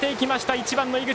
１番の井口。